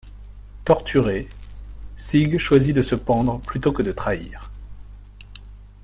Torturé, Sieg choisit de se pendre plutôt que de trahir.